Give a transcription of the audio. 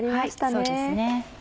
そうですね。